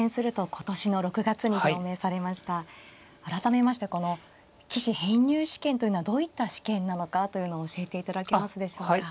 改めましてこの棋士編入試験というのはどういった試験なのかというのを教えていただけますでしょうか。